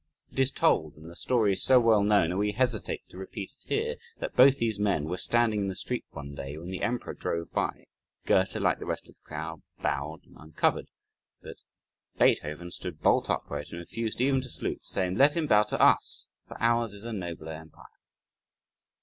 It is told, and the story is so well known that we hesitate to repeat it here, that both these men were standing in the street one day when the Emperor drove by Goethe, like the rest of the crowd, bowed and uncovered but Beethoven stood bolt upright, and refused even to salute, saying: "Let him bow to us, for ours is a nobler empire."